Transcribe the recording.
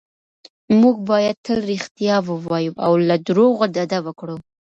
موږ باید تل رښتیا ووایو او له درواغو ډډه وکړو.